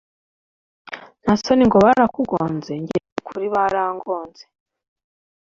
ntasoni ngo barakugonze! njye nukuri barangonze